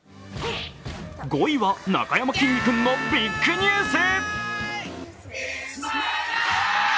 ５位は、なかやまきんに君のビッグニュース。